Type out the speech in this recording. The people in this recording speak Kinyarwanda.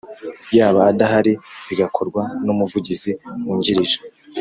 yaba adahari bigakorwa n Umuvugizi Wungirije